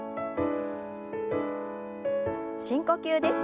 深呼吸です。